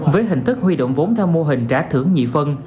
với hình thức huy động vốn theo mô hình trả thưởng nhị phân